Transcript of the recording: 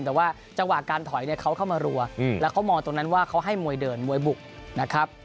แต่ว่าจังหวะการถอยเนี่ยเขาเข้ามารัวแล้วเขามองตรงนั้นว่าเขาให้มวยเดินมวยบุกนะครับ